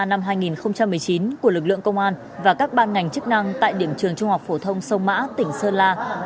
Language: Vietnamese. năm hai nghìn một mươi chín của lực lượng công an và các ban ngành chức năng tại điểm trường trung học phổ thông sông mã tỉnh sơn la